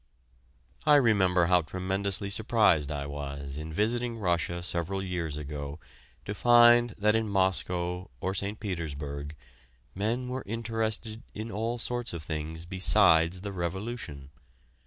I remember how tremendously surprised I was in visiting Russia several years ago to find that in Moscow or St. Petersburg men were interested in all sorts of things besides the revolution.